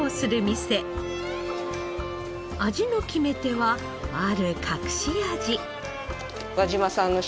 味の決め手はある隠し味。